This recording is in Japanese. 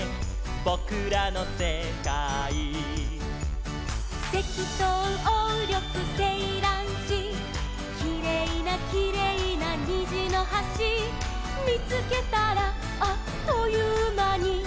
「ぼくらのせかい」「セキトウオウリョクセイランシ」「きれいなきれいなにじのはし」「みつけたらあっというまに」